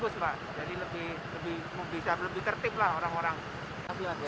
jadi lebih kertif lah orang orang